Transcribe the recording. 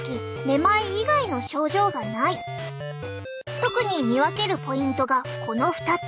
特に見分けるポイントがこの２つ。